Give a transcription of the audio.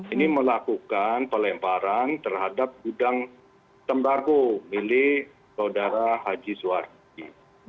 ini melakukan pelemparan terhadap gudang tembako milik saudara haji suwardi